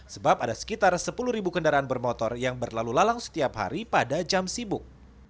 sebab ada sekitar sepuluh kendaraan bermotor yang berlalu lalang setiap hari pada jam sibuk